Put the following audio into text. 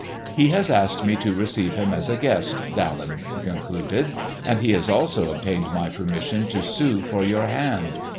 "He has asked me to receive him as a guest," Daland concluded; "and he has also obtained my permission to sue for your hand.